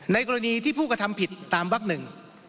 กรณีที่ผู้กระทำผิดตามวักหนึ่ง